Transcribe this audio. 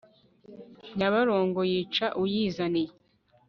nyabarongo yica uyizaniye